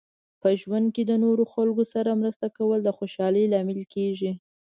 په ژوند کې د نورو خلکو سره مرسته کول د خوشحالۍ لامل کیږي.